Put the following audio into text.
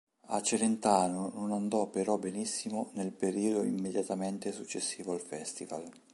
A Celentano non andò però benissimo nel periodo immediatamente successivo al festival.